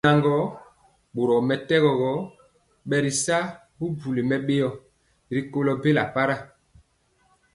Naŋgɔɔ, boromɛtɛgɔ gɔ, bɛritya bubuli mɛbéo rikɔlɔ bela para,